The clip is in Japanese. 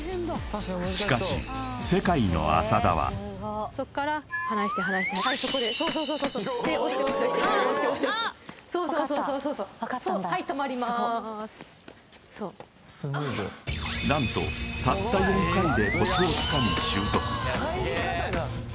しかし世界の浅田はそっから離して離してはいそこでそうそうそうで押して押して押してもう押して押してそうそうそうそうそうそうそうはい止まりますそう何とたった４回でコツを掴み習得